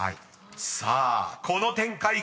［さあこの展開